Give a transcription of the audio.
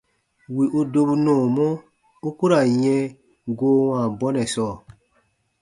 Wì u dobu nɔɔmɔ, u ku ra n yɛ̃ goo wãa bɔnɛ sɔɔ.